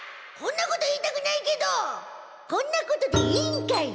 こんなこと言いたくないけどこんなことで委員会。